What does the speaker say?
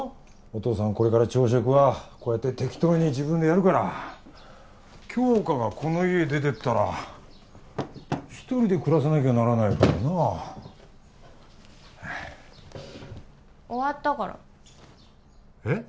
お父さんこれから朝食はこうやって適当に自分でやるから杏花がこの家出てったら一人で暮らさなきゃならないからな終わったからえっ！？